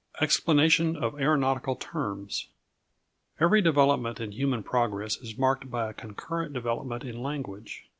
EXPLANATION OF AERONAUTICAL TERMS. Every development in human progress is marked by a concurrent development in language.